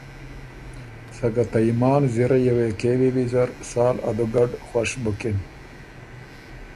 سکه ته یمان زِرئ یه وې کېوی ویزر سال ا دُوګډ خوش بُکِن۔